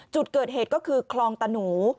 จุดเกิดเหตุก็คือคลองตะหนู